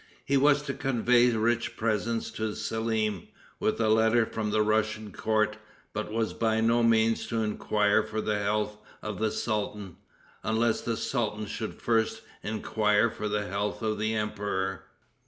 He was to convey rich presents to Selim, with a letter from the Russian court, but was by no means to enquire for the health of the sultan, unless the sultan should first enquire for the health of the emperor.